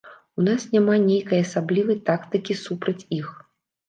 У нас няма нейкай асаблівай тактыкі супраць іх.